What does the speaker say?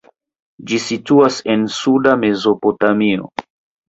Ĝi situas en suda Mezopotamio.